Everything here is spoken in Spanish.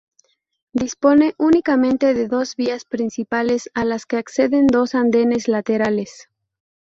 Dispone únicamente de dos vías principales a las que acceden dos andenes laterales.